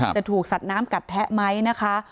จะถูกสัดน้ำกัดแทะไหมนะคะ